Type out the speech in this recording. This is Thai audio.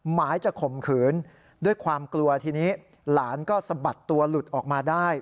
หมายจะข่มขืนด้วยความกลัวทีนี้หลานก็สะบัดตัวหลุดออกมาได้